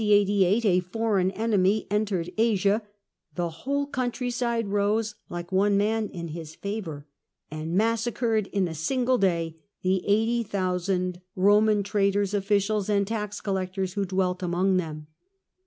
88, a foreign enemy entered Asia, the whole country side rose like one man in his favour, and massacred in a single day the 80,000 Eoman traders, officials, and tax collectors who dwelt among them.